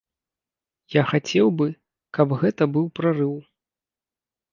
Я хацеў бы, каб гэта быў прарыў.